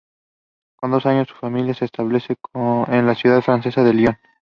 Con dos años, su familia se establece en la ciudad francesa de Lyon.